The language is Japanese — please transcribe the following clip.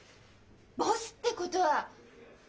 「ボス」ってことは！